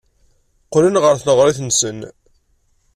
Qqlen ɣer tneɣrit-nsen.